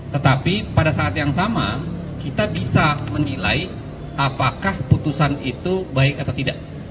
tetapi pada saat yang sama kita bisa menilai apakah putusan itu baik atau tidak